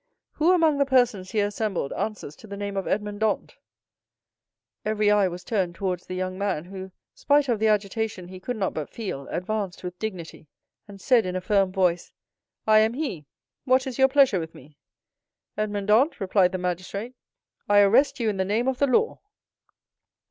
Who among the persons here assembled answers to the name of Edmond Dantès?" Every eye was turned towards the young man who, spite of the agitation he could not but feel, advanced with dignity, and said, in a firm voice: "I am he; what is your pleasure with me?" "Edmond Dantès," replied the magistrate, "I arrest you in the name of the law!"